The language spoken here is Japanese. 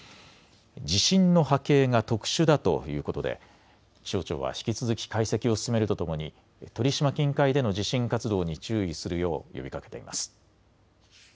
地震の波形が特殊だということで気象庁は引き続き解析を進めるとともに鳥島近海での地震活動に注意するよう呼びかけています。